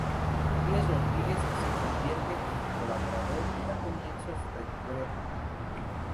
Díaz Rodríguez se convierte en su colaborador y da comienzo a su trayectoria política.